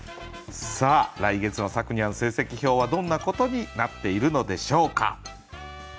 さあ来月のさくにゃん成績表はどんなことになっているのでしょうか。